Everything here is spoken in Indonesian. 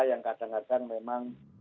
yang kadang kadang memang